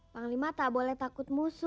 panglima tak boleh takut musuh